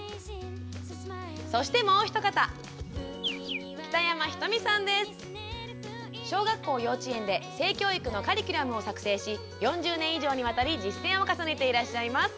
そしてもうお一方小学校・幼稚園で性教育のカリキュラムを作成し４０年以上にわたり実践を重ねていらっしゃいます。